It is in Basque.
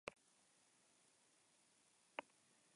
Dena dela, kontzeptu hau berria da nolabait.